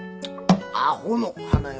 アホの花嫁。